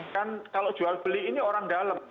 kan kalau jualbeli ini orang dalam